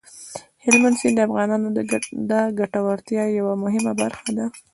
هلمند سیند د افغانانو د ګټورتیا یوه مهمه برخه ده.